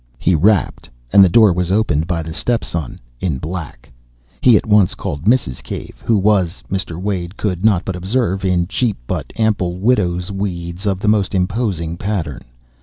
He rapped and the door was opened by the step son in black. He at once called Mrs. Cave, who was, Mr. Wace could not but observe, in cheap but ample widow's weeds of the most imposing pattern.